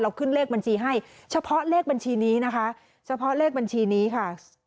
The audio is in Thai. ขึ้นเลขบัญชีให้เฉพาะเลขบัญชีนี้นะคะเฉพาะเลขบัญชีนี้ค่ะ